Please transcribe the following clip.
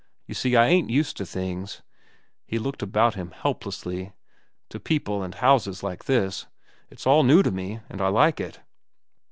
You see, I ain't used to things. .." He looked about him helplessly. "To people and houses like this. It's all new to me, and I like it."